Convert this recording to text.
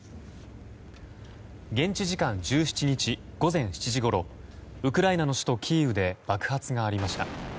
現地時間１７日午前７時ごろウクライナの首都キーウで爆発がありました。